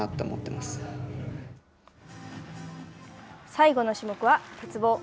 最後の種目は鉄棒。